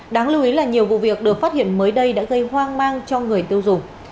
đáng lưu ý là nhiều vụ việc được phát hiện mới đây đã gây hoang mang cho người tiêu dùng